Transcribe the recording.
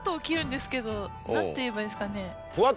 なんて言えばいいんですかね？